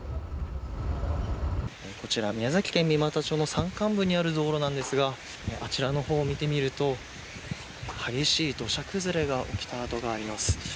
こちら宮崎県三股町の山間部にある道路なんですがあちらの方を見てみると激しい土砂崩れが起きた跡があります。